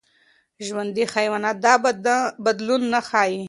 ژوندي حیوانات دا بدلون نه ښيي.